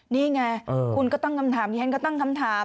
นี่ไงคุณก็ตั้งคำถามดิฉันก็ตั้งคำถาม